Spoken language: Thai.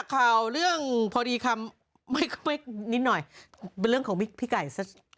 ข่าวเรื่องพอดีคำไม่นิดหน่อยเป็นเรื่องของพี่ไก่ซะ